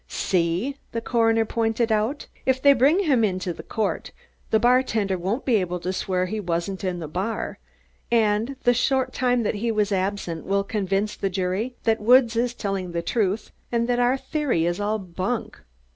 "See!" the coroner pointed out. "If they bring him into court, the bartender won't be able to swear he wasn't in the bar and the short time that he was absent will convince the jury that Woods is telling the truth and that our theory is all bunk."